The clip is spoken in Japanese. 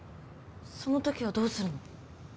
その時はどうするの？